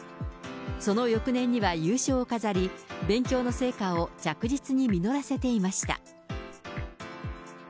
その翌年には優勝を飾り、勉強の成果を着実に実らせていました。